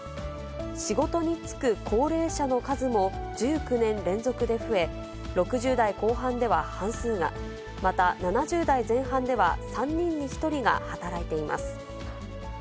仕事に就く高齢者の数も１９年連続で増え、６０代後半では半数が、また７０代前半では３人に１人が働いています。